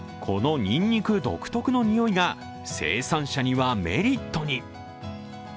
このにんにく独特の匂いが生産者にはメリットに。